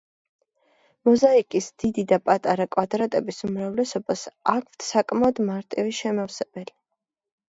მოზაიკის დიდი და პატარა კვადრატების უმრავლესობას აქვთ საკმაოდ მარტივი შემავსებელი.